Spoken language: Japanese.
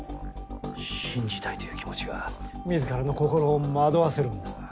信じたいという気持ちが自らの心を惑わせるんだ。